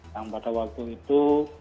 yang pada waktu itu